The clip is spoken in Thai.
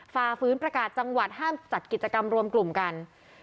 ฝ่าฝืนประกาศจังหวัดห้ามจัดกิจกรรมรวมกลุ่มกัน